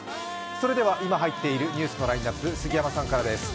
それでは今入っているニュースのラインナップ、杉山さんからです。